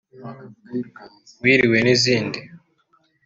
Wiriwe n’izindi